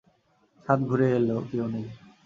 ছাদ ঘুরে এল, কেউ নেই।